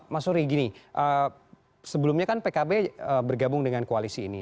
mas uri sebelumnya pkb bergabung dengan koalisi ini